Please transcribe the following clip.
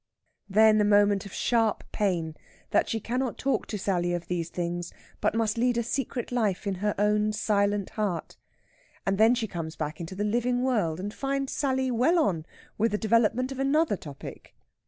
Then a moment of sharp pain that she cannot talk to Sally of these things, but must lead a secret life in her own silent heart. And then she comes back into the living world, and finds Sally well on with the development of another topic.